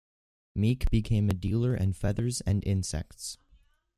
Meek became a dealer in feathers and insects.